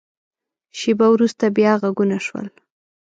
شیبه وروسته، بیا غږونه شول.